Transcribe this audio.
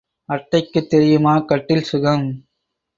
அட்டைக்குத் தெரியுமா கட்டில் சுகம்?